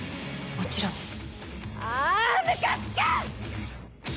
もちろんです。